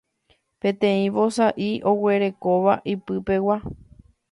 peteĩ vosa'i oguerekóva ipypegua